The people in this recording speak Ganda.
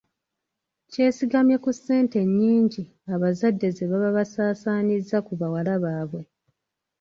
Kyesigamye ku ssente ennyingi abazadde ze baba basaasaanyizza ku bawala baabwe.